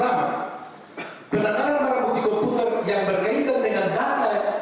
pertama penanganan para bukti komputer yang berkaitan dengan data